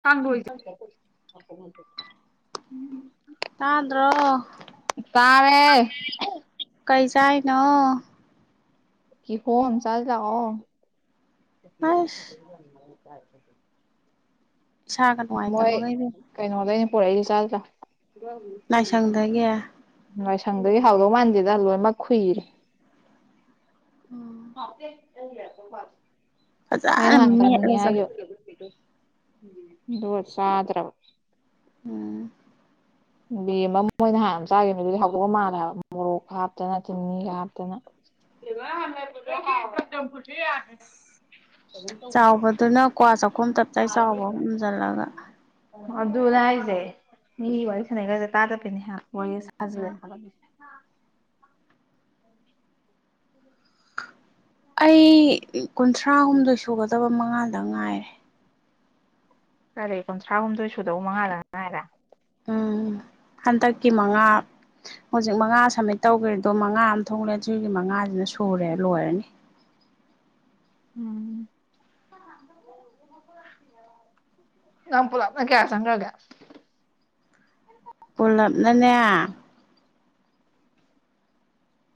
ꯆꯥꯡꯁꯝ ꯇꯗ꯭ꯔꯣ ꯇꯥꯔꯦ ꯀ ꯇꯥꯏꯅ ꯀꯤꯍꯣ ꯆꯥꯁꯤ ꯂꯡꯑꯣ ꯑꯁ ꯏꯁꯥꯒ ꯃꯣꯏ ꯅꯨꯡꯉꯥꯏꯇꯕꯒ ꯏꯕꯦꯝꯃ ꯀꯩꯅꯣ ꯂꯩ ꯄꯨꯔꯗꯤ ꯆꯜ ꯂꯥꯏꯁꯪꯗꯒꯤ ꯁꯪꯗꯒꯤ ꯍꯥꯎꯗꯧ ꯃꯥꯟꯁꯤꯦꯗ ꯂꯣꯏꯅꯃꯛ ꯈꯨꯨꯏꯔꯦ ꯎꯝ ꯑꯩ ꯅ ꯐꯖꯅ ꯍꯥꯟ ꯀ ꯃꯦꯠꯂ ꯍꯥꯏ ꯆꯥꯏ ꯣꯁꯗ꯭ꯔꯕ ꯎꯝ ꯦꯝ ꯑꯃ ꯃꯣꯏꯅ ꯍꯥꯏꯥꯟ ꯑꯃ ꯆꯥꯈꯤꯕꯅꯦ ꯑꯗꯨꯗꯤ ꯍꯧꯗꯣꯛꯑ ꯃꯥꯜꯂꯦꯕ ꯃꯣꯔꯣꯛ ꯍꯥꯞꯇꯅ ꯆꯤꯅꯤꯒ ꯍꯥꯞꯇꯅ ꯁꯤꯕ ꯍꯅꯔꯟ ꯆꯥꯎꯕꯗꯨꯅ ꯀ꯭ꯋꯥ ꯆꯥꯛꯈꯨꯝ ꯇꯞꯆꯥꯏ ꯆꯥꯎꯕ ꯍꯣꯨꯝꯖꯤꯜꯂꯒ ꯑꯗꯨꯅ ꯍꯥꯏꯁꯦ ꯃꯤ ꯋꯥꯔꯤ ꯁꯥꯟꯅꯩ ꯈꯁꯦ ꯇꯥꯗꯕꯅꯦ ꯋꯥꯔꯤ ꯁꯥꯖꯂꯦꯁꯦ ꯑꯩ ꯀꯨꯟꯊ꯭ꯔꯥ ꯍꯨꯝꯗꯣꯏ ꯁꯨꯒꯗꯕ ꯃꯉꯥꯗ ꯉꯥꯏꯔꯦ ꯀꯔꯤꯦ ꯀꯨꯟꯊ꯭ꯔꯥ ꯍꯨꯝꯗꯣꯏ ꯁꯨꯗꯧ ꯃꯉꯥꯜꯂꯒ ꯉ ꯍꯥꯏꯔ ꯎꯝ ꯍꯟꯗꯛꯀꯤ ꯃꯉꯥ ꯍꯧꯖꯤꯛ ꯃꯉꯥ ꯁꯝꯃꯤꯠ ꯇꯧꯈꯦꯗꯣ ꯃꯉꯥ ꯑꯃ ꯊꯣꯛꯂꯦ ꯑꯗꯨꯒꯤ ꯃꯉꯥꯁꯤꯅ ꯁꯨꯔꯦ ꯂꯣꯏꯔꯅꯤ ꯎꯝ ꯌꯥꯝ ꯄꯨꯂꯞꯅ ꯀꯌꯥ ꯆꯒꯒꯦ ꯄꯨꯂꯞꯅꯅꯦ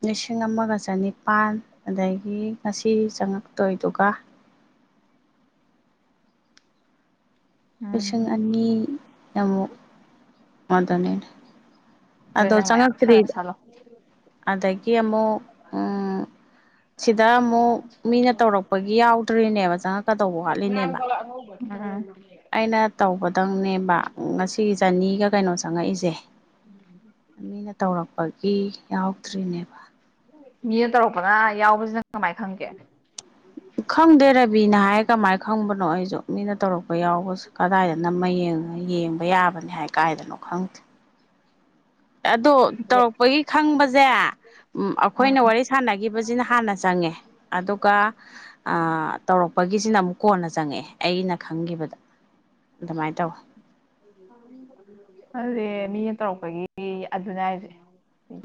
ꯂꯤꯁꯤꯡ ꯑꯃꯒ ꯆꯅꯤꯄꯥꯜ ꯑꯗꯒꯤ ꯉꯁꯤ ꯆꯪꯉꯛꯇꯣꯏꯗꯨꯒ ꯄꯁ ꯎꯝ ꯑꯅꯤ ꯌꯥꯝꯃ ꯃꯥꯗꯅꯦꯅ ꯑꯗꯨ ꯑꯗꯣ ꯅꯪ ꯃꯌꯥꯝ ꯁꯥꯟꯅ ꯆꯪꯉꯛꯇ꯭ꯔꯤꯗ ꯁꯥꯜꯂꯣ ꯑꯗꯒꯤ ꯑꯃꯨꯛ ꯎꯝ ꯁꯤꯗ ꯑꯃꯨꯛ ꯃꯤꯅ ꯇꯧꯔꯛꯄꯒꯤ ꯌꯥꯎꯗ꯭ꯔꯤꯅꯦꯕ ꯆꯪꯉꯛꯀꯗꯧꯕ ꯋꯥꯠꯂꯤꯅꯦꯕ ꯑꯩꯅ ꯇꯧꯕꯗꯪꯅꯦꯦꯝꯕ ꯉꯁꯤꯒꯤ ꯆꯅꯤꯒ ꯀꯩꯅꯣ ꯆꯪꯉꯛꯏꯁꯦ [inaudible] ꯃꯤꯅ ꯇꯧꯔꯛꯄꯒꯤ ꯌꯥꯎꯗ꯭ꯔꯤꯅꯦꯕ ꯃꯤꯅ ꯇꯧꯔꯛꯄꯅ ꯌꯥꯎꯕꯁꯤꯅꯪ ꯀꯃꯥꯏꯅ ꯈꯪꯒꯦ ꯈꯪꯗꯦ ꯔꯕꯤꯅ ꯍꯥꯏ ꯀꯃꯥꯏ ꯈꯪꯕꯅꯣ ꯑꯩꯁꯨ ꯃꯤꯅ ꯇꯧꯔꯛꯄ ꯌꯥꯎꯕꯁꯨ ꯀꯗꯥꯏꯗ ꯅꯝ ꯌꯦꯡꯕ ꯌꯥꯕꯅꯤ ꯍꯥꯏ ꯀꯥꯏꯗꯅꯣ ꯈꯪꯗꯦ ꯑꯗꯣ ꯇꯧꯔꯛꯄꯒꯤ ꯈꯪꯕꯁꯦ ꯑꯩꯈꯣꯏꯅ ꯎꯝ ꯋꯥꯔꯤ ꯁꯥꯟꯅꯈꯤꯕꯁꯤꯅ ꯍꯥꯟꯅ ꯆꯪꯉꯦ ꯑꯗꯨꯒ ꯇꯧꯔꯛꯄ ꯑꯣꯏꯒꯤꯁꯤꯅ ꯑꯃꯨꯛ ꯀꯣꯟꯅ ꯆꯪꯉꯛꯑꯦ ꯑꯩꯅ ꯈꯪꯒꯤꯈꯤꯕꯗ ꯑꯗꯨꯗ ꯃꯤꯅ ꯇꯧꯔꯛꯄꯒꯤ ꯑꯗꯨꯅꯦ ꯍꯥꯏꯁꯦ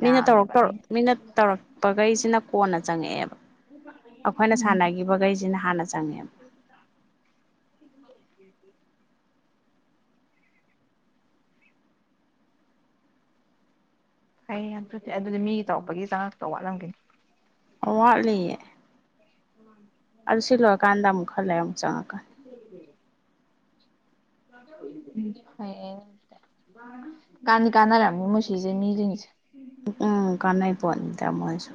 ꯃꯤꯅ ꯇꯧꯔ ꯌꯥꯝꯃꯦꯕ ꯇꯧꯔꯛ ꯑꯩ ꯃꯤꯅ ꯇꯧꯔꯛꯄꯈꯩꯁꯤꯅ ꯀꯣꯟꯅ ꯆꯪꯉꯛꯑꯦꯕ ꯑꯩꯈꯣꯏꯅ ꯎꯝ ꯁꯥꯟꯅꯈꯤꯕꯈꯩꯁꯤꯅ ꯍꯥꯟꯅ ꯆꯪꯉꯦꯕ [inaudible] ꯍꯩꯌꯦ ꯌꯥꯝ ꯊꯨꯗꯦ ꯑꯗꯨꯗꯤ ꯃꯤ ꯇꯧꯔꯛꯄꯒꯤ ꯆꯉꯥꯛꯇ ꯋꯥꯠꯂꯝꯒꯅꯤ ꯋꯥꯠꯂꯤꯌꯦ ꯎꯝꯝ ꯈꯜꯂ ꯑꯃ ꯆꯪꯉꯀꯥꯟ [inaudible] ꯀꯥꯟꯅꯤ ꯀꯥꯟꯅꯔꯝꯃꯤ ꯃꯨꯁꯤꯁꯦ ꯃꯤꯁꯤꯡꯁꯦ ꯎꯝ ꯀꯅꯥꯩ ꯄꯣꯅꯤꯗꯃꯁꯨ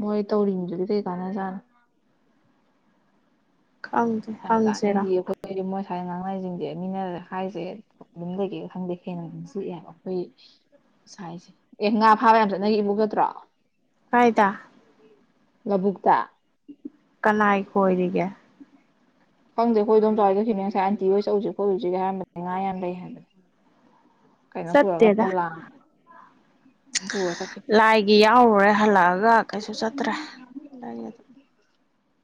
ꯃꯣꯏ ꯇꯧꯔꯤꯅꯤꯗꯨꯗꯤ ꯀꯩ ꯀꯥꯟꯅ ꯆꯥꯅ ꯈꯪꯗꯦ ꯑ ꯍꯪꯁꯤꯔꯥ ꯇꯥꯅꯤꯗꯤ ꯉꯥꯏ ꯅꯥꯡ ꯂꯥꯏꯖꯁꯤꯡꯁꯦ ꯃꯤꯅ ꯍꯥꯏꯁꯦ ꯌꯝꯒꯦ ꯈꯪꯗꯦ ꯍꯦꯟꯅ ꯁꯤꯛꯑꯦꯕ ꯑꯩꯈꯣꯏ ꯁꯥꯏꯁꯦ ꯑꯦ ꯉꯥ ꯐꯥꯕ ꯌꯥꯝ ꯆꯠꯅꯒ ꯏꯃꯨꯒꯠꯇ꯭ꯔꯣ ꯐꯥꯏꯗ ꯂꯕꯨꯛꯇ ꯀꯅꯥꯏ ꯀꯣꯏꯔꯤꯒꯦ ꯈꯪꯗꯦ ꯑꯩꯈꯣꯏꯗꯣꯝ ꯆꯥꯎꯔꯏꯗꯈꯤꯅꯦ ꯉꯁꯥꯏ ꯑꯟꯇꯤ ꯍꯣꯏ ꯆꯠꯎꯁꯤ ꯈꯣꯣꯏ ꯍꯧꯁꯤꯒꯦ ꯍꯥꯏꯔꯝꯕꯅꯦ ꯉꯥ ꯌꯥꯝ ꯂꯩ ꯍꯥꯏꯕꯅꯤ ꯀꯩꯅꯣ ꯄꯨꯔꯒ ꯆꯠꯇꯦꯗ ꯄꯣꯂꯛ ꯄꯨꯔꯁꯤ ꯂꯥꯏꯒꯤ ꯌꯥꯎꯔꯨꯔꯦ ꯍꯜꯂꯛꯑꯒ ꯀꯩꯁꯨ ꯆꯠꯇ꯭ꯔꯦ ꯂꯥꯏ ꯑꯗꯨꯝ [inaudible] [inaudible]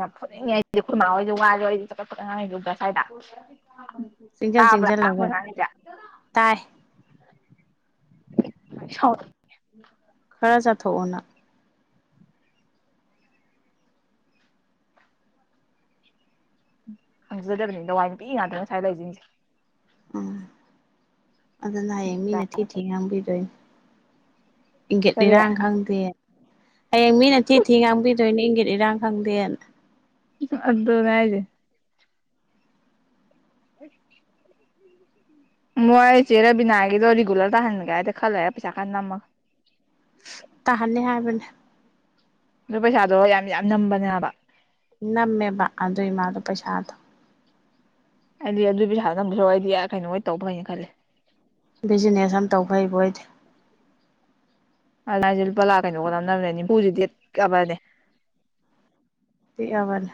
ꯌꯥꯝ ꯐꯠꯅꯤꯡꯉ ꯍꯥꯏꯁꯗꯤ ꯈꯨꯔꯃꯥ ꯍꯣꯏꯁꯨ ꯋꯥꯁꯨꯁꯦ ꯐꯉ ꯌꯁ꯭ꯋꯥꯏꯗ ꯆꯤꯡꯖꯟ ꯇꯥꯕ꯭ꯔ ꯆꯤꯡꯁꯤꯜꯂꯒ ꯃꯥꯡꯗ ꯇꯥꯏ ꯁꯥꯎ ꯔꯥ ꯆꯊꯣꯛꯑꯣꯅ ꯈꯪꯖꯗꯕꯅꯤ ꯂꯋꯥꯏ ꯅꯨꯄꯤ ꯉꯥꯛꯇꯅꯤ ꯉꯁꯥꯏ ꯂꯩꯁꯤꯟꯁꯦ ꯎꯝ ꯑꯗꯨꯅ ꯍꯌꯦꯡ ꯃꯤꯅ ꯊꯤ ꯊꯤ ꯉꯥꯡꯕꯤꯗꯣꯏꯅꯦ ꯏꯪꯒꯠ ꯀꯔꯤ ꯂꯩꯔꯥꯡ ꯈꯪꯗꯦ ꯍꯌꯦꯡ ꯃꯤꯅ ꯊꯤ ꯊꯤ ꯉꯥꯡꯕꯤꯗꯣꯏꯅꯦ ꯏꯪꯒꯤꯠ ꯏꯔꯥꯡ ꯈꯪꯗꯦꯅ ꯑꯗꯨꯅꯦ ꯍꯥꯌꯖꯦ [unintelligible] ꯃꯣꯏ ꯆꯦꯔ ꯕꯤꯅꯥꯒꯗꯣ ꯔꯤꯒꯨꯂꯔ ꯇꯥꯍꯟꯒꯦ ꯍꯥꯏꯗꯤ ꯈꯜꯂꯦ ꯄꯩꯁꯥ ꯀꯟ ꯅ ꯑꯃꯨ ꯇꯥꯍꯟꯅꯤ ꯍꯥꯏꯕꯅꯦ ꯑꯗꯨ ꯄꯩꯁꯥꯗꯣ ꯌꯥꯝ ꯌꯥꯝ ꯅꯝꯕꯅꯦ ꯍꯥꯏꯕ ꯅꯝꯃꯦꯕ ꯑꯗꯨ ꯏꯃꯥꯗꯣ ꯄꯩꯁꯥꯗꯣ ꯑꯩꯗꯤ ꯑꯗꯨꯒꯤ ꯄꯩꯁꯥꯗ ꯅꯝꯕꯁꯨ ꯑꯩꯗꯤ ꯀꯩꯅꯣ ꯑꯣꯏ ꯇꯧꯕ ꯐꯩꯍꯥꯏꯅ ꯈꯜꯂꯦ ꯕꯤꯖꯤꯅꯦꯁ ꯑꯃ ꯇꯧꯈꯕ ꯑꯣꯏꯗꯤ ꯑ ꯂꯥ ꯂꯨꯄꯥ ꯂꯥꯛ ꯀꯩꯅꯣ ꯀꯝ ꯅꯝꯅꯕꯅꯦ ꯏꯅꯤꯝꯐꯨꯁꯤ ꯗꯤꯠ ꯀꯥꯕꯅꯦ ꯄꯤꯛꯑꯕꯅꯦ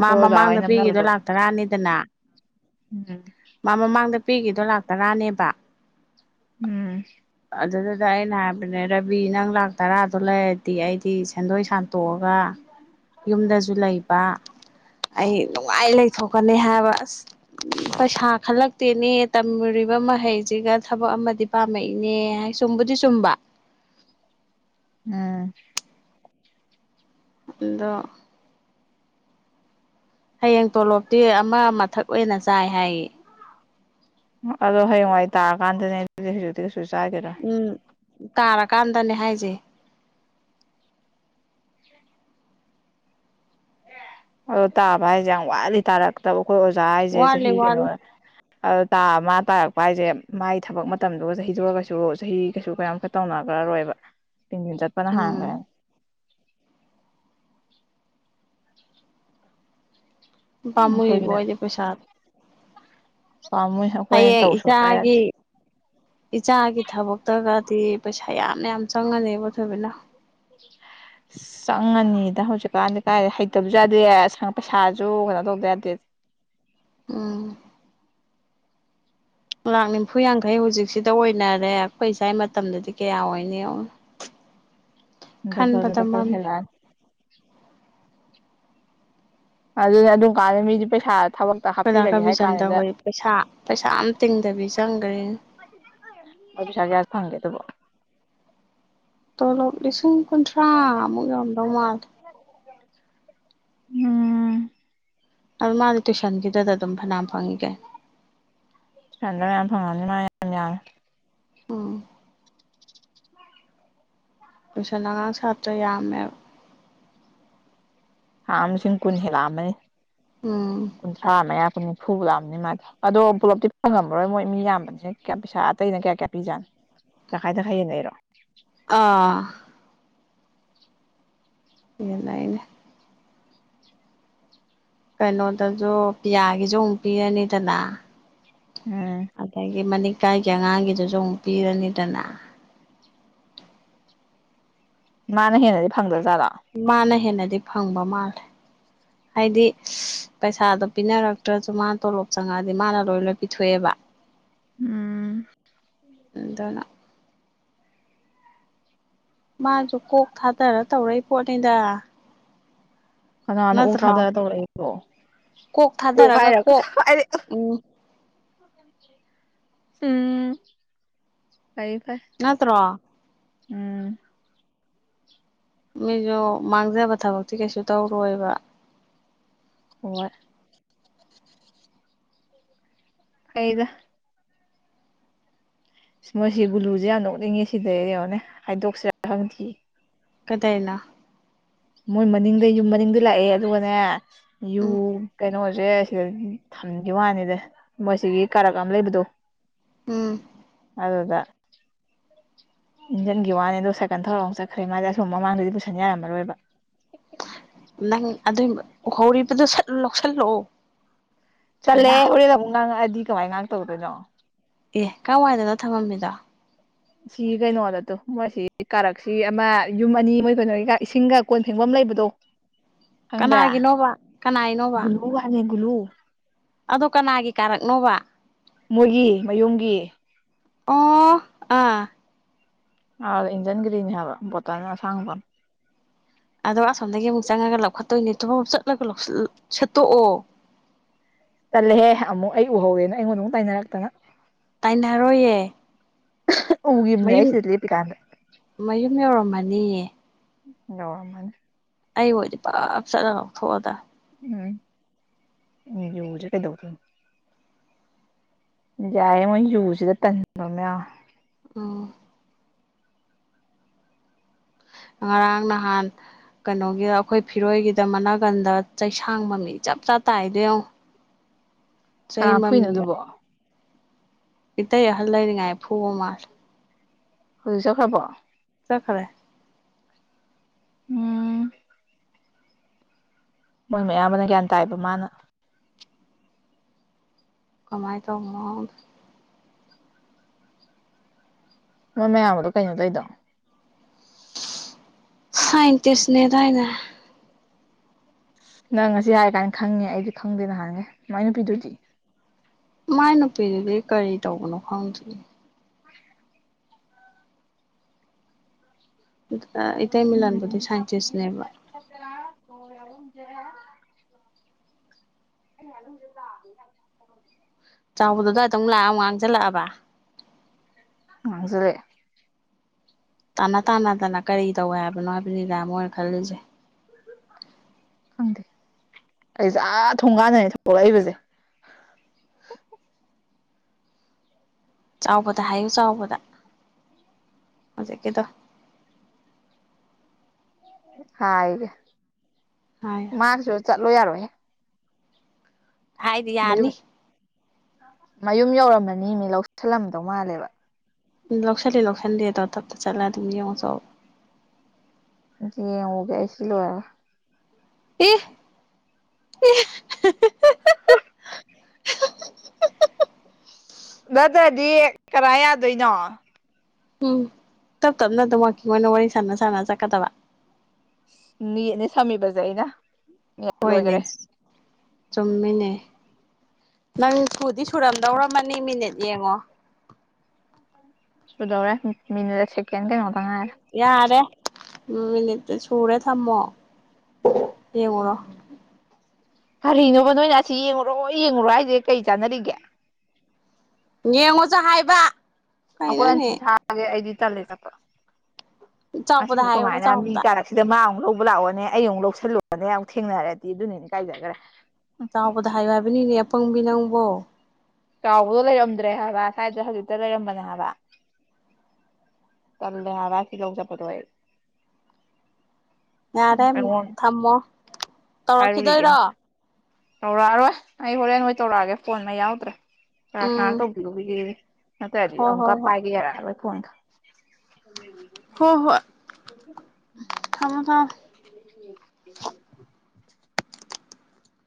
ꯃꯥ ꯑꯣꯖꯥꯈꯩ ꯃꯃꯥꯡꯗ ꯄꯤꯈꯤꯗꯣ ꯅꯝꯅꯕꯗꯣ ꯂꯥꯛ ꯇꯔꯥꯅꯤꯗꯅ ꯎꯝ ꯃꯥ ꯃꯃꯥꯡꯗ ꯄꯤꯈꯤꯗꯣ ꯂꯥꯛꯇꯔꯥꯅꯦꯕ ꯎꯝ ꯑꯗꯨꯗꯨꯗ ꯑꯩꯅ ꯍꯥꯏꯕꯅꯦ ꯔꯕꯤ ꯅꯪ ꯂꯥꯛ ꯇꯔꯥꯗꯣ ꯂꯩꯔꯗꯤ ꯑꯩꯗꯤ ꯁꯦꯟꯗꯣꯏ ꯁꯥꯟꯇꯣꯛꯑꯒ ꯌꯨꯝꯗꯁꯨ ꯂꯩꯕ ꯑꯩ ꯅꯨꯡꯉꯥꯏ ꯂꯩꯊꯣꯛꯀꯅꯤ ꯍꯥꯏꯕ ꯑꯁ ꯄꯩꯁꯥ ꯈꯜꯂꯛꯇꯦꯅꯦ ꯇꯝꯃꯨꯔꯤꯕ ꯃꯍꯩꯁꯤꯒ ꯊꯕꯛ ꯑꯃꯗꯤ ꯄꯥꯝꯃꯛꯏ ꯏꯅꯦ ꯆꯨꯝꯕꯨꯗꯤ ꯆꯨꯝꯕ ꯎꯝ ꯑꯗ ꯍꯌꯦꯡ ꯇꯣꯂꯣꯞꯇꯤ ꯑꯃ ꯑꯃꯊꯛ ꯑꯣꯏꯅ ꯆꯥꯏ ꯍꯥꯏꯌꯦ ꯑꯗꯣ ꯍꯌꯦꯡꯋꯥꯏ ꯇꯥꯔꯀꯥꯟꯗꯅꯦ ꯑꯗꯨꯗꯤ ꯍꯧꯖꯤꯛꯇꯤ ꯀꯩꯁꯨ ꯆꯥꯒꯦꯔ ꯎꯝ ꯇꯥꯔꯀꯥꯟꯗꯅꯦ ꯍꯥꯏꯁꯦ ꯑꯗꯣ ꯇꯥꯕ ꯍꯥꯏꯁꯦ ꯌꯥꯝ ꯋꯥꯠꯂꯤ ꯇꯥꯔꯛꯇꯕ ꯑꯩꯈꯣꯏ ꯑꯣꯖꯥ ꯍꯥꯏꯁꯦ ꯋꯥꯠꯂꯤ ꯆꯍꯤ ꯀꯩꯅꯣ ꯋꯥꯠꯂꯤ ꯑꯗꯨ ꯇꯥ ꯑꯃ ꯇꯥꯔꯛꯄ ꯍꯥꯏꯁꯦ ꯃꯒꯤ ꯊꯕꯛ ꯃꯇꯝꯗꯨꯒ ꯆꯍꯤꯗꯨꯔ ꯀꯩꯁꯨ ꯆꯍꯤ ꯀꯩꯁꯨ ꯀꯌꯥꯝ ꯈ ꯇꯧꯅ ꯆꯈ꯭ꯔꯔꯣꯏꯕ ꯇꯤꯟꯊꯤꯟ ꯆꯠꯄꯅ ꯍꯥꯡꯈ꯭ꯔꯦ ꯎꯝ ꯄꯥꯝꯃꯨꯏꯕꯣ ꯑꯩꯈꯣꯏꯒꯤꯅ ꯑꯩꯗꯤ ꯄꯩꯁꯥ ꯄꯥꯝꯃꯨꯏ ꯑꯩꯈꯣꯏꯅ ꯍꯌꯦꯡ ꯇꯧ ꯁꯨꯡꯌꯥ ꯌꯥꯗꯦ ꯏꯆꯥꯒꯤ ꯏꯆꯥꯒꯤ ꯊꯕꯛꯇꯒꯗꯤ ꯄꯩꯁꯥ ꯐꯌꯥꯝꯅ ꯌꯥꯝ ꯆꯪꯉꯅꯦꯕ ꯊꯣꯏꯕꯤꯅ ꯆꯪꯉꯅꯤꯗ ꯍꯧꯖꯤꯛꯀꯥꯟꯗꯤ ꯀꯥꯏ ꯍꯩꯇꯕꯁꯨ ꯌꯥꯗꯦ ꯄꯩꯁꯥꯁꯨ [inaudible] ꯎꯝ ꯂꯥꯛ ꯅꯤꯐꯨ ꯌꯥꯡꯈꯩ ꯍꯧꯖꯤꯛꯁꯤꯗ ꯑꯣꯏꯅꯔꯦ ꯑꯩꯈꯣꯏ ꯏꯆꯥꯏ ꯃꯇꯝꯗꯗꯤ ꯀꯌꯥ ꯑꯣꯏꯅꯤ [unintelligible] [inaudible] ꯗꯕꯜꯒ ꯈꯟꯕꯗ ꯃꯝ ꯗꯕꯒ ꯍ ꯑꯗꯨ ꯑꯗꯨꯝ ꯀꯥꯔ ꯃꯤꯗꯤ ꯄꯩꯁꯥ ꯊꯕꯛꯇ ꯀꯣꯏꯗꯥ ꯍꯥꯞꯄꯤꯔꯒꯦ ꯍꯥꯏ ꯀꯕꯤꯆꯟꯗ ꯀꯥꯟꯗꯨꯗ ꯍꯣꯏ ꯄꯩꯁꯥ ꯄꯩꯁꯥ ꯑꯃ ꯇꯤꯡꯗꯕꯤ ꯆꯪꯈ꯭ꯔꯦꯅꯦ ꯑꯗꯨꯗꯨꯁꯒꯦ ꯑꯁ ꯐꯪꯒꯦꯗꯕꯣ ꯇꯂꯞ ꯂꯤꯁꯤꯡ ꯀꯨꯟꯊ꯭ꯔꯥ ꯃ ꯌꯥꯗꯣ ꯃꯥꯜ ꯎꯝ ꯑꯗꯨ ꯃꯥꯗꯤ ꯇꯨꯏꯁꯟꯒꯤꯗꯨꯗ ꯑꯗꯨꯝ ꯐꯅꯌꯥꯝ ꯐꯪꯉꯤꯒꯦ ꯍ ꯃꯥꯏ ꯌꯥ ꯎꯝ ꯇꯨꯏꯁꯟ ꯑꯉꯥꯡ ꯁꯥꯇ꯭ꯔ ꯌꯥꯝꯃꯦꯕ ꯁꯝꯁꯤꯡ ꯀꯨꯟ ꯍꯦ ꯂꯃꯦ ꯎꯝ ꯀꯨꯟ ꯑꯃꯅꯤ ꯀꯨꯟꯊ꯭ꯔꯥ ꯀꯨꯟꯣ ꯐꯨꯕꯨ ꯂꯥꯛꯑꯅꯤ ꯃꯥꯗꯣ ꯑꯗꯣ ꯄꯨꯂꯞꯇꯤ ꯐꯪꯉꯝꯃꯔꯣꯏ ꯃꯣꯏ ꯃꯤ ꯌꯥꯝꯕꯅꯤꯅ ꯀꯌꯥ ꯄꯩꯁꯥ ꯑꯇꯩꯅ ꯀꯌꯥ ꯀꯌꯥ ꯄꯤꯖꯥꯅꯤ ꯆꯥꯏꯗ ꯈꯥꯏꯌꯦꯅꯔꯣ [unintelligible] ꯑꯥ [unintelligible] [inaudible] ꯌꯦꯅꯏꯩꯅ [unintelligible] ꯀꯩꯅꯣꯗꯁꯨ ꯄꯤꯌꯥꯒꯤꯁꯨ ꯑꯃꯨꯛ ꯄꯤꯔꯅꯤꯗꯅ ꯎꯝ ꯑꯗꯒꯤ ꯃꯅꯤꯡꯀꯥꯏꯒꯤ ꯑꯉꯥꯡꯒꯤꯗꯨꯁꯨ ꯑꯃꯨꯛ ꯄꯤꯔꯅꯤꯗꯅ ꯃꯥꯥꯟ ꯍꯦꯅꯗꯤ ꯐꯪꯗꯣꯏ ꯃꯥꯅ ꯍꯦꯟꯅꯗꯤ ꯐꯪꯕ ꯃꯥꯜꯂꯦ ꯍꯥꯏꯗꯤ ꯄꯩꯁꯥꯗꯣ ꯄꯤꯅꯔꯛꯇ꯭ꯔꯁꯨ ꯃꯥꯅ ꯇꯣꯂꯣꯞ ꯆꯪꯉꯛꯑꯗꯤ ꯃꯥꯅ ꯂꯣꯏ ꯂꯣꯏ ꯄꯤꯊꯣꯛꯑꯦꯕ ꯎꯝ ꯑꯗꯅ ꯃꯥꯁꯨ ꯀꯣꯛ ꯊꯥꯗꯔ ꯇꯧꯔꯏ ꯄꯣꯠꯅꯤꯗ ꯍꯉꯅ ꯎ ꯅꯠꯇ꯭ꯔꯣ ꯊꯥꯗꯔ ꯇꯧꯔꯕꯣ ꯀꯣꯛ ꯊꯥꯗꯔꯒ ꯍꯥꯏꯔ ꯀꯣꯛ [unintelligible] ꯎꯝ ꯎꯝ ꯐꯩ ꯐꯩ ꯅꯠꯇ꯭ꯔꯣ ꯃꯤꯁꯨ ꯃꯥꯡꯖꯕ ꯊꯕꯛꯇꯤ ꯀꯩꯁꯨ ꯇꯧꯔꯣꯏꯕ ꯑꯏ [unintelligible] ꯑꯩꯩꯗ ꯃꯣꯏꯁꯤ ꯒꯨꯂꯨꯁꯦ ꯌꯥꯝ ꯅꯣꯛꯅꯤꯡꯉꯤ ꯁꯤꯗꯩꯔꯉꯣꯅꯦ ꯍꯥꯏꯗꯣꯛꯁꯤꯔꯥ ꯈꯪꯗꯤꯌꯦ ꯀꯗꯥꯅ ꯃꯣꯏ ꯃꯅꯤꯡꯗ ꯌꯨꯝ ꯃꯅꯤꯡꯗ ꯂꯥꯛꯑꯦ ꯑꯗꯨꯒꯅꯦ ꯌꯨ ꯎꯝ ꯀꯩꯅꯣꯁꯦ ꯁꯤ ꯊꯝꯈꯤꯕ ꯋꯥꯅꯤꯗ ꯃꯁꯤꯒꯤ ꯀꯥꯔꯛ ꯑꯃ ꯂꯩꯕꯗꯣ ꯎꯝ ꯑꯗꯨꯗ ꯏꯟꯖꯤꯟꯒꯤ ꯋꯥꯅꯤ ꯑꯗꯣ ꯁꯥꯏꯀꯜ ꯊꯧꯔ ꯑꯃꯨ ꯆꯠꯈ꯭ꯔꯦ ꯃꯥꯗꯤ ꯑꯁꯨꯝ ꯃꯃꯥꯡꯗꯗꯤ ꯄꯨꯁꯟ ꯌꯥꯔꯝꯃꯔꯣꯏꯕ ꯅꯪ ꯑꯗꯨꯏ ꯎꯍꯧꯔꯤꯕꯗꯨ ꯁꯂꯧꯁꯜꯂꯛꯑꯣ ꯆꯜꯂꯦ ꯍꯣꯔꯦꯟꯗ ꯑꯃꯨꯛ ꯉꯥꯡꯉꯛꯑꯗꯤ ꯀꯃꯥꯏꯅ ꯉꯥꯡꯇꯧꯗꯣꯏꯅꯣ ꯑꯦ ꯀꯋꯥꯏꯗꯅ ꯊꯝꯃꯃꯤꯗꯣ ꯁꯤ ꯀꯩꯅꯣꯗꯠꯇꯣ ꯃꯁꯤ ꯀꯥꯔꯛꯁꯤ ꯑꯃ ꯌꯨꯝ ꯑꯅꯤ ꯃꯣꯏ ꯀꯩꯅꯣꯒꯤꯒ ꯏꯁꯤꯡꯒ ꯀꯣꯟ ꯐꯦꯡꯐꯝ ꯂꯩ ꯂꯩꯕꯗꯣ ꯈꯪꯕ꯭ꯔꯥ ꯀꯅꯥꯒꯤꯅꯣꯕ ꯀꯅꯥꯏꯅꯣꯕ ꯒꯨꯂꯨ ꯍꯅꯤ ꯒꯨꯂꯨ ꯑꯗꯣ ꯀꯅꯥꯒꯤ ꯀꯥꯔꯛꯅꯣꯕ ꯃꯣꯏꯒꯤ ꯃꯌꯨꯝꯒꯤ ꯑꯣ ꯑꯥ ꯑ ꯏꯟꯖꯟ ꯀꯔꯤ ꯍꯥꯕ ꯄꯠꯇꯅꯤ ꯁꯥꯡꯕ ꯑꯗꯣ ꯑꯁꯣꯝꯗꯒꯤ ꯑꯃꯨꯛ ꯆꯪꯉꯒ ꯂꯧꯈꯠꯇꯣꯏꯅꯦ ꯇꯨ ꯑꯃꯨ ꯆꯠꯂꯒ ꯁꯦꯠꯇꯣꯛꯑꯣ ꯇꯜꯂꯦꯍꯦ ꯑꯃꯨꯛ ꯑꯩ ꯎꯍꯧꯒꯦꯅ ꯑꯩꯉꯣꯟꯗ ꯑꯃꯨꯛ ꯇꯥꯏꯅꯔꯛꯇꯅ ꯇꯥꯏꯅꯔꯣꯏꯌꯦ ꯎꯒꯤꯝꯅꯦ ꯑꯩ ꯁꯤ ꯂꯦꯞꯄꯤꯀꯥꯜꯗ ꯌꯧꯔꯝꯃꯅꯤ ꯌꯧꯔꯝꯃꯅꯤ ꯑꯩ ꯑꯣꯏꯗꯤ ꯄꯞ ꯆꯠꯂꯒ ꯑꯃꯨꯛ ꯊꯣꯛ ꯑ ꯗꯝꯅꯤ ꯎꯝ ꯎ ꯌꯨꯖꯦ ꯀꯩꯗꯧꯗꯣꯏꯅꯣ ꯌꯥꯏꯌꯦ ꯃ ꯌꯨꯁꯤꯗ ꯇꯜꯕ ꯑꯃꯥ ꯌꯥꯎꯏ ꯑꯥ [unintelligible] [inaudible] ꯉꯔꯥꯡ ꯅꯍꯥꯟ ꯀꯩꯅꯣꯒꯤꯗ ꯑꯩꯈꯣꯏ ꯐꯤꯔꯣꯏꯒꯤꯗ ꯃꯅꯥꯀꯟꯗ ꯆꯩꯁꯥꯡ ꯃꯃꯤ ꯆꯥꯞ ꯆꯥꯅ ꯇꯥꯏꯗ ꯌꯦꯡꯉꯣ [unintelligible] [inaudible] ꯆꯩ ꯀꯅꯥ ꯐꯨꯏꯅꯣ ꯑꯗꯨꯕꯣ ꯏꯠꯇ ꯌ ꯍꯜ ꯂꯩꯅꯤꯉꯥꯏ ꯐꯨꯕ ꯃꯥꯂꯦ ꯍꯧꯖꯤꯛ ꯆꯠꯈ꯭ꯔꯕꯣ ꯆꯠꯈ꯭ꯔꯦ ꯎꯝ ꯃꯣꯏ ꯃꯌꯥꯝꯕꯅ ꯒ꯭ꯌꯥꯟ ꯇꯥꯏꯕ ꯃꯥꯅ ꯀꯃꯥꯏ ꯇꯧꯕ ꯅꯣ ꯃꯣꯏ ꯃꯌꯥꯝꯗꯣ ꯀꯩꯅꯣ ꯇꯧꯏꯗꯣ ꯁꯥꯏꯟꯇꯤꯁꯅꯦ ꯗꯥꯏꯅꯦ ꯅꯪ ꯉꯁꯤ ꯍꯥꯏꯔꯀꯥꯟꯗ ꯈꯪꯉꯦ ꯑꯩꯗꯤ ꯈꯪꯗꯦ ꯅꯍꯥꯟꯒꯩ ꯃꯥꯏ ꯅꯨꯄꯤꯗꯨꯗꯤ ꯃꯥꯏ ꯅꯨꯄꯤꯗꯨꯗꯤ ꯀꯔꯤ ꯇꯧꯕꯅꯣ ꯈꯪꯗꯤꯌꯦ ꯑꯥ ꯏꯇꯩ ꯃꯤꯂꯟ ꯕꯨꯗꯤ ꯁꯥꯏꯟꯇꯤꯁꯅꯦꯕ ꯍꯣ ꯌꯥꯎꯔꯝꯗꯔ꯭ꯦ [unintelligible] ꯑꯩ ꯉꯥꯅꯨꯖꯦ [unintelligible] [inaudible] ꯆꯥꯎꯕꯗꯨ ꯑꯗꯨꯋꯥꯏꯗ ꯃꯨꯛ ꯂꯥꯛꯑ ꯃꯨꯛ ꯉꯥꯡꯖꯤꯜꯂꯛꯑꯕ ꯉꯥꯡꯖꯤꯜꯂꯛ ꯑꯦ ꯇꯥꯅ ꯇꯥꯅ ꯗꯅ ꯀꯔꯤ ꯇꯧꯋꯦ ꯍꯥꯏꯕꯅꯣ ꯍꯥꯏꯕꯅꯤꯗ ꯃꯣꯏꯅ ꯈꯜꯂꯤꯁꯦ [unintelligible] [inaudible] ꯈꯪꯗꯦ ꯫ ꯑꯩꯖꯦ ꯑꯥ ꯊꯣꯡꯒꯥꯟꯗꯅꯦ ꯊꯣꯛꯂꯛꯏꯕꯖꯦ [unintelligible] [inaudible] ꯆꯥꯎꯕꯗ ꯍꯥꯏꯌꯨ ꯆꯥꯎꯕꯗ ꯍꯧꯖꯤꯛ ꯀꯤꯗꯣ ꯍꯥꯏꯒꯦ꯫ ꯃꯥꯁꯨ ꯆꯠꯂꯣ ꯌꯥꯔꯣꯏꯍꯦ ꯍꯥꯏꯗꯤ ꯃꯌꯨꯝ ꯌꯥꯅꯤ ꯃꯌꯨꯝ ꯌꯧꯔꯝ ꯃꯅꯤ ꯃꯤ ꯂꯧꯁꯜꯂꯝꯗꯧ ꯃꯥꯜꯂꯦꯕ ꯂꯧꯁꯤꯜꯂꯤ ꯂꯧꯁꯤꯟꯗꯦꯗꯣ ꯇꯞ ꯇ ꯆꯠꯂ ꯑꯗꯨꯝ ꯌꯦꯡꯉꯨ ꯆꯣꯑꯣꯕ ꯌꯦꯡꯉꯨꯒꯦ ꯑꯩ ꯁꯤ ꯂꯣꯏꯔꯒ ꯑꯦ ꯑꯦ ꯍꯦ ꯍꯦ [inaudible] [unintelligible] ꯅꯠꯇꯗꯤ ꯀꯔꯥꯏ ꯌꯥꯗꯣꯏꯅꯣ ꯎꯝ ꯫ ꯇꯞ ꯇꯞꯅ ꯑꯗꯨꯝ ꯋꯥꯛꯀꯤꯡ ꯑꯣꯏꯅ ꯋꯥꯔꯤ ꯁꯥꯟꯅ ꯁꯥꯟꯅ ꯆꯠꯀꯗꯕ ꯅꯦꯠꯅꯦ ꯁꯝꯃꯤꯕꯖꯦ ꯑꯩꯅ ꯃꯤꯅꯤꯠ ꯍꯣꯏꯅꯦ ꯂꯣꯏꯈꯔꯦ ꯆꯨꯝꯃꯤꯅꯦ ꯅꯪ ꯁꯨꯗꯤ ꯁꯨꯔꯝꯗꯣꯔꯝꯃꯅꯤ ꯃꯤꯅꯤꯠ ꯌꯦꯡꯉꯣ ꯁꯗꯧꯔꯦ ꯃꯤꯅꯠ ꯌꯥꯔꯦ ꯎꯝ ꯃꯤꯅꯠꯇ ꯁꯨꯔꯦ ꯊꯝꯃꯣ ꯌꯦꯡꯉꯨꯔꯣ ꯀꯔꯤꯅꯣꯕ ꯅꯣꯏꯅ ꯑꯁꯤ ꯌꯦꯡꯉꯨꯔꯣ ꯌꯦꯡꯉꯨꯔꯣ ꯍꯥꯏꯖꯦ ꯀꯩꯔꯤ ꯆꯥꯟꯅꯔꯤꯒꯦ ꯌꯦꯡꯉꯨꯆꯣ ꯍꯥꯏꯕ ꯑꯩꯈꯣꯏ ꯑꯟꯇꯤ ꯀꯩꯅꯣꯅꯦ ꯊꯥꯒꯦ ꯑꯩꯗꯤ ꯇꯜꯂꯦ ꯆꯠꯄ ꯆꯥꯎꯕꯗ ꯑꯁꯤꯕꯨ ꯍꯥꯏꯌꯣꯕ ꯀꯃꯥꯥꯏꯅ ꯃꯤ ꯆꯥꯎꯕꯗ ꯀꯥꯔꯛꯁꯤꯗ ꯃꯥ ꯑꯃꯨꯛ ꯂꯧ ꯕꯨ ꯂꯥꯛꯑꯣꯅꯦ ꯑꯩ ꯑꯃꯨꯛ ꯂꯧꯁꯤꯜꯂꯨꯔꯣꯅꯦ ꯑꯃꯨꯛ ꯊꯦꯡꯅꯔꯗꯤ ꯗꯨꯅ ꯍꯦꯟꯅ ꯏꯀꯥꯏꯖꯒꯔ꯭ꯦ ꯆꯥꯎꯕꯗ ꯍꯥꯏꯌꯣ ꯍꯥꯏꯕꯅꯤꯅꯦ ꯑꯄꯪꯕꯤ ꯅꯪꯕꯣ ꯀꯥꯎꯕꯗꯣ ꯂꯩꯔꯝꯗ꯭ꯔꯦ ꯍꯥꯏꯕ ꯁ꯭ꯋꯥꯏꯗ ꯍꯧꯖꯤꯛꯇ ꯂꯩꯔꯝꯕꯅꯦ ꯍꯥꯏꯕ ꯇꯜꯂꯦ ꯍꯥꯢꯕ ꯁꯤꯂꯣꯡ ꯆꯠꯄꯗꯣ ꯑꯩ ꯎꯝ ꯌꯥꯔꯦ ꯑꯩꯉꯣꯟ ꯊꯝꯃꯣ ꯍꯥꯏꯔꯨꯒꯤꯒꯦ ꯇꯧꯔꯛꯈꯤꯗꯣꯏꯔꯣ ꯇꯧꯔꯛꯑꯔꯣꯏ ꯑꯩ ꯍꯣꯔꯦꯟ ꯑꯣꯏ ꯇꯧꯔꯛꯑꯒꯦ ꯐꯣꯟ ꯃꯩ ꯌꯥꯎꯗ꯭ꯔꯦ ꯆꯥꯔꯖ ꯎꯝ ꯉꯍꯥꯛ ꯇꯧꯕꯤꯔꯨꯒꯤꯒꯦ ꯌꯦ ꯅꯠꯇ꯭ꯔꯗꯤ ꯍꯣꯏ ꯑꯃꯨꯛꯀ ꯍꯣꯏ ꯍꯣꯏ ꯄꯥꯏꯒꯦ ꯌꯥꯔꯛꯑꯔꯣꯏ ꯐꯣꯟꯒ ꯍꯣ ꯍꯣꯏ ꯑ ꯊꯝꯃꯣ ꯊꯝꯃꯣ [inaudible]